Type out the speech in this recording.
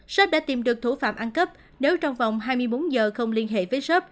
shop đã tìm được thủ phạm ăn cấp nếu trong vòng hai mươi bốn giờ không liên hệ với shop